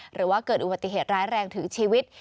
หรือว่าเกิดอุบัติเหตุร้ายแรงถึงชีวิต